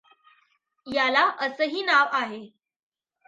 याला असंही नाव आहे.